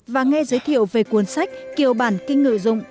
và nghe giới thiệu về cuốn sách kiều bản kinh ngữ dụng